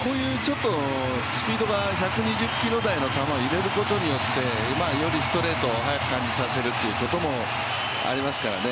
こういうスピードが１２０キロ台の球を入れることによってよりストレートを速く感じさせるということもありますからね